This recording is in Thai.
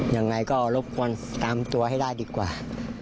ยังไงก็รบกวนตามตัวให้ได้ดีกว่า